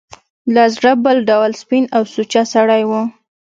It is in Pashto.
له زړه بل ډول سپین او سوچه سړی و.